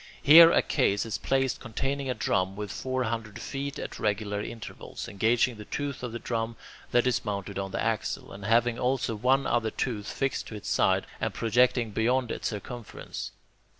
Here a case is placed containing a drum with four hundred teeth at regular intervals, engaging the tooth of the drum that is mounted on the axle, and having also one other tooth fixed to its side and projecting beyond its circumference.